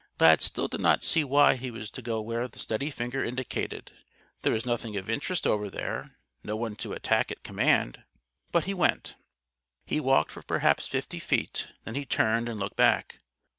Lad still did not see why he was to go where the steady finger indicated. There was nothing of interest over there; no one to attack at command. But he went. He walked for perhaps fifty feet; then he turned and looked back.